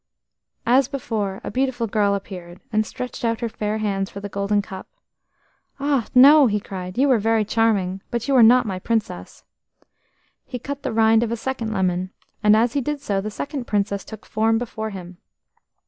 As before, a beautiful girl appeared, and stretched out her fair hands for the golden cup. "Ah, no!" he cried. "You are very charming, but you are not my Princess." He cut the rind of a second lemon, and as he did so the second Princess took form before him.